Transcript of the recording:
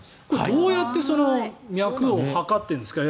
どうやってエアコンが脈を測ってるんですか？